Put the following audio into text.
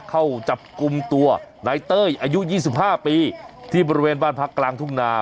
เข้าจับกลุ่มตัวไหนเต้ยอายุยี่สิบห้าปีที่บริเวณบ้านพักกลางทุ่มนา